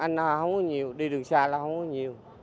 anh không có nhiều đi đường xa là không có nhiều